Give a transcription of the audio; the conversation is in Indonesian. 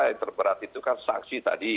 yang terberat itu kan saksi tadi